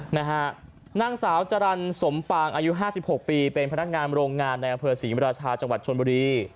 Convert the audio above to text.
นางสาวจรรย์สมปางอายุ๕๖ปีเป็นพนักงานโรงงานในอำเภอศรีมราชาจังหวัดชนบุรี